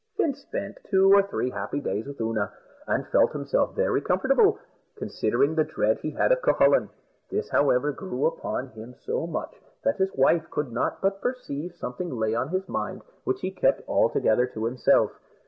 Fin spent two or three happy days with Oonagh, and felt himself very comfortable, considering the dread he had of Cucullin. This, however, grew upon him so much that his wife could not but perceive something lay on his mind which he kept altogether to himself.